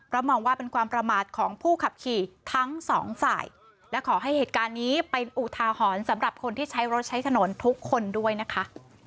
เพราะมองว่าเป็นความประมาทของผู้ขับขี่ทั้งสองฝ่ายและขอให้เหตุการณ์นี้เป็นอุทาหรณ์สำหรับคนที่ใช้รถใช้ถนนทุกคนด้วยนะคะ